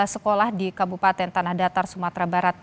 sekolah di kabupaten tanah datar sumatera barat